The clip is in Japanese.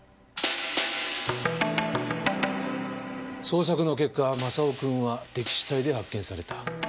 「捜索の結果雅夫くんは溺死体で発見された」